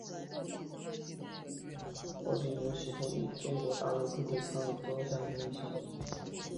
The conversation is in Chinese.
包兆龙其后亦于中国大陆各地参与多项公益项目。